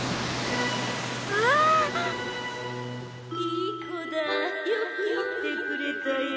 ・いい子だよく言ってくれたよ。